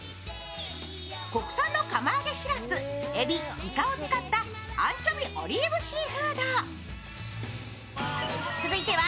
国産の釜揚げしらす、えび、いかをつかったアンチョビオリーブシーフード。